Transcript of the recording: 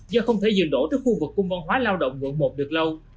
do không thể dừng đổ tới khu vực cung văn hóa lao động vượng một được lâu